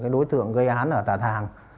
đối tượng gây án ở tà thàng